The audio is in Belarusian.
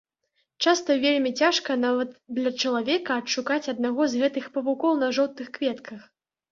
Часта вельмі цяжка нават для чалавека адшукаць аднаго з гэтых павукоў на жоўтых кветках.